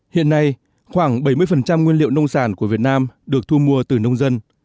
hiện nay khoảng bảy mươi nguyên liệu nông sản của việt nam được thu mua từ nông dân